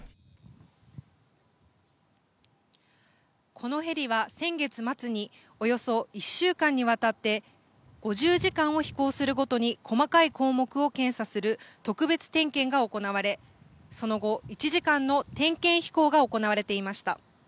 このヘリは先月末におよそ１週間にわたって５０時間を飛行するごとに細かい項目を検査する特別点検が行われその後、１時間の点検飛行が行われていました。